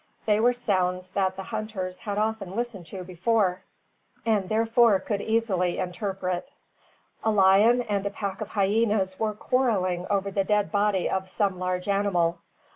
They were sounds that the hunters had often listened to before, and therefore could easily interpret. A lion and a pack of hyenas were quarrelling over the dead body of some large animal.